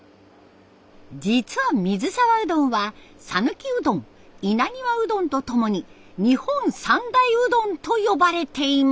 実は水沢うどんは讃岐うどん稲庭うどんとともに日本三大うどんと呼ばれています。